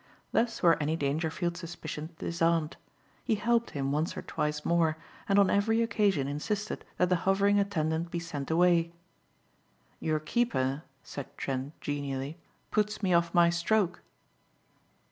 Thus were any Dangerfield suspicions disarmed. He helped him once or twice more and on every occasion insisted that the hovering attendant be sent away. "Your keeper," said Trent genially, "puts me off my stroke."